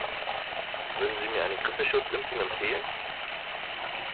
Würden Sie mir eine Grippeschutzimpfung empfehlen?